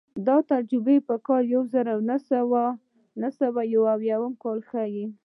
دا تجربه په کال یو زر نهه سوه یو اویا کې ښيي.